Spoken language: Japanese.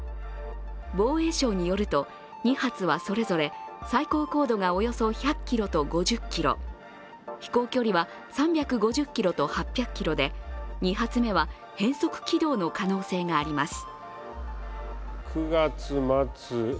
防衛省によると、２発はそれぞれ最高高度がおよそ１００ｋｍと５０ｋｍ、飛行距離は３５０ｋｍと８００ｋｍで２発目は変則軌道の可能性があります。